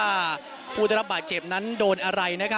แล้วก็พบว่ามีผู้ได้รับบาดเจ็บจากการประทะกันระหว่างสองกลุ่ม